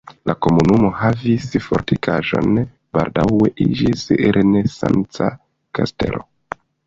La komunumo havis fortikaĵon, baldaŭe iĝis renesanca kastelo.